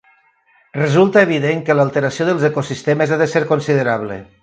Resulta evident que l'alteració dels ecosistemes ha de ser considerable.